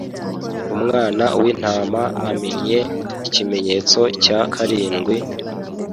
Umwana w’Intama amennye ikimenyetso cya karindwi,